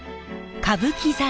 歌舞伎座